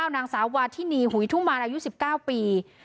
นางสาววาทินีหุยทุมารอายุ๑๙ปี